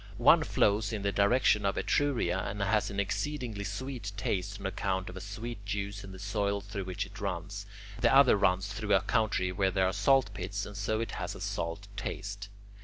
One flows in the direction of Etruria and has an exceedingly sweet taste on account of a sweet juice in the soil through which it runs; the other runs through a country where there are salt pits, and so it has a salt taste.